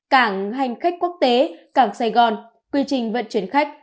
cảng hành khách quốc tế cảng sài gòn quy trình vận chuyển khách